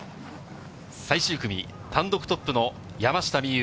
最終組、単独トップの山下美夢